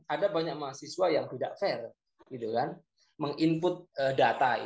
ada banyak mahasiswa yang tidak fair meng input data